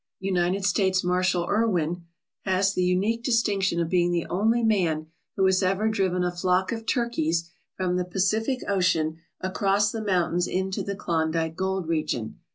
" United States Marshal Erwin has the unique distinction 166 STORIES OF GOLD AND GOLD MINERS of being the only man who has ever driven a flock of turkeys from the Pacific Ocean across the mountains into the Klondike gold region.